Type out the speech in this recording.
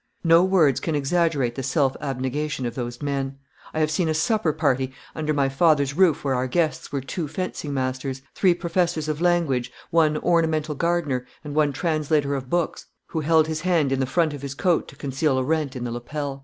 No words can exaggerate the self abnegation of those men. I have seen a supper party under my father's roof where our guests were two fencing masters, three professors of language, one ornamental gardener, and one translator of books, who held his hand in the front of his coat to conceal a rent in the lapel.